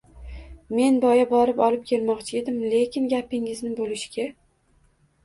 — Men boya borib olib kelmoqchi edim, lekin gapingizni bo‘lishga...